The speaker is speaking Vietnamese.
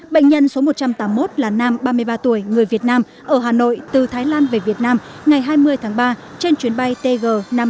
bệnh nhân số một trăm tám mươi một là nam ba mươi ba tuổi người việt nam ở hà nội từ thái lan về việt nam ngày hai mươi tháng ba trên chuyến bay tg năm trăm năm mươi